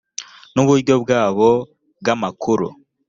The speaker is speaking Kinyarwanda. n uburyo bwabo bw amakuru